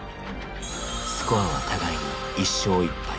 スコアは互いに１勝１敗。